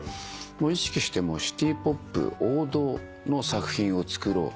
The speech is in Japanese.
意識してシティポップ王道の作品を作ろう。